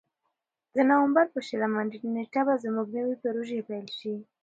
د نوامبر په شلمه نېټه به زموږ نوې پروژې پیل شي.